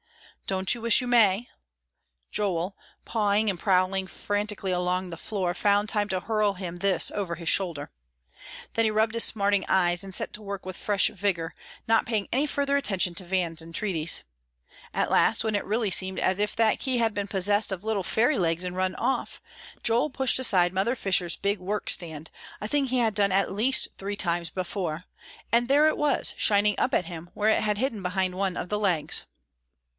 "Don't you wish you may?" Joel, pawing and prowling frantically along the floor, found time to hurl him this over his shoulder. Then he rubbed his smarting eyes and set to work with fresh vigor, not paying any further attention to Van's entreaties. At last, when it really seemed as if that key had been possessed of little fairy legs and run off, Joel pushed aside Mother Fisher's big workstand, a thing he had done at least three times before, and there it was shining up at him where it had hidden behind one of the legs!